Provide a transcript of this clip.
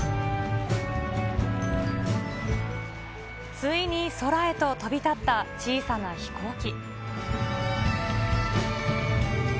ついに空へと飛び立った小さな飛行機。